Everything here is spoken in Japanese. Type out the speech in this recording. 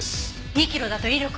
２キロだと威力は？